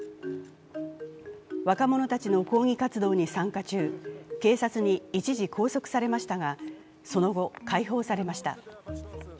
若者たちの抗議活動に参加中、警察に一時、拘束されましたがその後、解放されました。